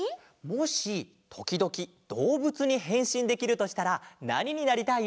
もしときどきどうぶつにへんしんできるとしたらなにになりたい？